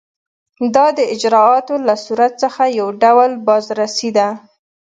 دا د اجرااتو له صورت څخه یو ډول بازرسي ده.